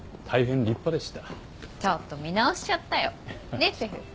ねっシェフ。